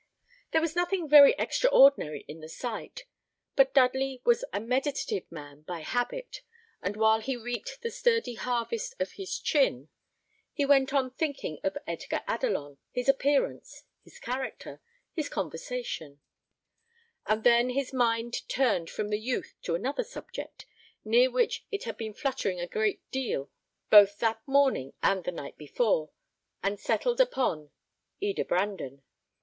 There was nothing very extraordinary in the sight; but Dudley was a meditative man by habit, and while he reaped the sturdy harvest of his chin, he went on thinking of Edgar Adelon, his appearance, his character, his conversation; and then his mind turned from the youth to another subject, near which it had been fluttering a great deal both that morning and the night before, and settled upon Eda Brandon.